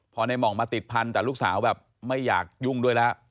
พอในห่องมาติดพันธุ์แต่ลูกสาวแบบไม่อยากยุ่งด้วยแล้ว